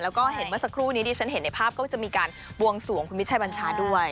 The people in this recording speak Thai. แล้วก็เห็นเมื่อสักครู่นี้ที่ฉันเห็นในภาพก็จะมีการบวงสวงคุณมิชัยบัญชาด้วย